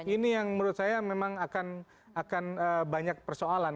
ini yang menurut saya memang akan banyak persoalan